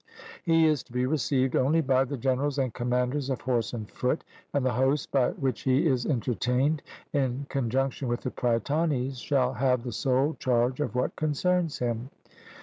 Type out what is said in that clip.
He is to be received only by the generals and commanders of horse and foot, and the host by whom he is entertained, in conjunction with the Prytanes, shall have the sole charge of what concerns him.